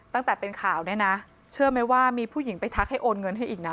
ตั้งแต่เป็นข่าวเนี่ยนะเชื่อไหมว่ามีผู้หญิงไปทักให้โอนเงินให้อีกนะ